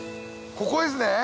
ここです。